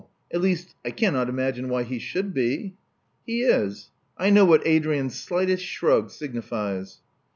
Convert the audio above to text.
At least I cannot imagine why he should be." '*He is. I know what Adrian's slightest shrug signifies."